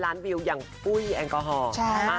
ล้านวิวอย่างปุ้ยแอลกอฮอล์